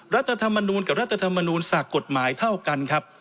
รัฐธรรมนูลกับรัฐธรรมนูลศักดิ์กฎหมายเท่ากันครับ